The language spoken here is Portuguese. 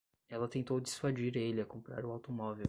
Ela tentou dissuadir ele a comprar o automóvel.